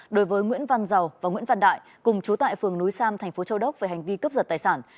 đối với nguyễn văn giàu và nguyễn văn đại cùng chú tại phường núi sam thành phố châu đốc về hành vi cướp giật tài sản